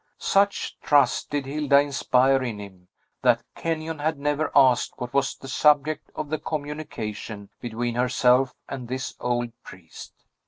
Such trust did Hilda inspire in him, that Kenyon had never asked what was the subject of the communication between herself and this old priest.